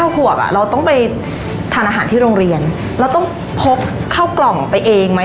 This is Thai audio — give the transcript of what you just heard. ขวบเราต้องไปทานอาหารที่โรงเรียนเราต้องพกเข้ากล่องไปเองไหม